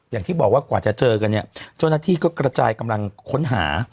อย่างที่บอกว่ากว่าจะเจอกันเนี่ยเจ้าหน้าที่ก็กระจายกำลังค้นหา